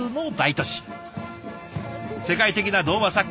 世界的な童話作家